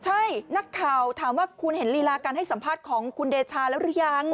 ใช่นักข่าวถามว่าคุณเห็นลีลาการให้สัมภาษณ์ของคุณเดชาแล้วหรือยัง